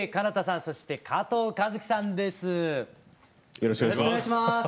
よろしくお願いします。